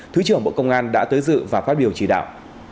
thứ trưởng bộ công an đã tới dự và phát biểu chỉ đạo